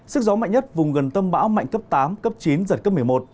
sức gió mạnh nhất vùng gần tâm bão mạnh cấp tám cấp chín giật cấp một mươi một